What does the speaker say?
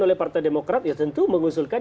oleh partai demokrat ya tentu mengusulkan